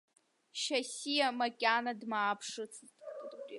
Шьасиа макьана дмааԥшыцызт.